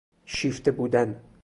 شیفته بودن